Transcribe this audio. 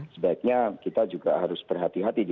sebaiknya kita juga harus berhati hati